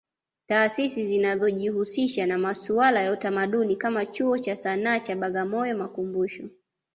Taasisi zinazojihusisha na masuala ya utamaduni kama Chuo cha Sanaa cha Bagamoyo makumbusho